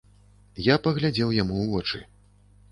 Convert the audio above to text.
Я паглядзеў яму ў вочы.